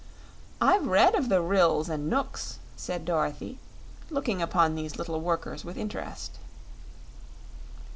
"I've read of the Ryls and Knooks," said Dorothy, looking upon these little workers with interest.